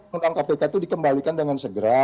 undang kpk itu dikembalikan dengan segera